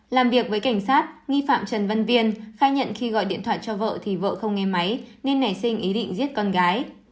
làm việc với cảnh sát nghi phạm trần văn viên khai nhận khi gọi điện thoại cho vợ thì vợ không nghe máy nên nảy sinh ý định giết con gái